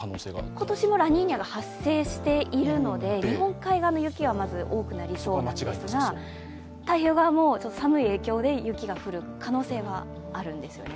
今年もラニーニャが発生しているので、日本海側の雪はまず多くなりそうなんですが太平洋側も寒い影響で雪が降る可能性はあるんですよね。